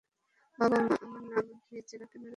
বাব, মা আমার নাম নির্জারা কেন রেখেছিল?